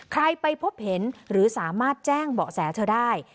ใครไปพบเห็นหรือสามารถแจ้งเบาะแสเธอได้